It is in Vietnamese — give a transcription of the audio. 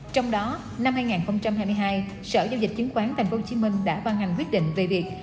trong đó năm hai nghìn hai mươi hai sở giao dịch chứng khoán tp hcm đã ban hành quyết định về việc